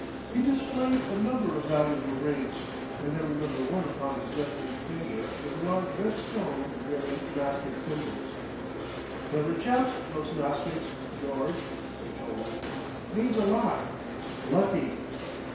He displayed a number of valuable rings, and I remember one upon his left little finger with a large red stone bearing Gnostic symbols. "Clever chaps, those Gnostics, George," he told me. "Means a lot. Lucky!"